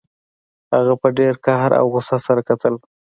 هغه په ډیر قهر او غوسه سره کتل